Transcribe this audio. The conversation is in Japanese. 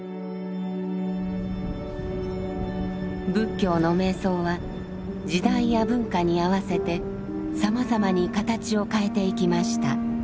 仏教の瞑想は時代や文化に合わせてさまざまに形を変えていきました。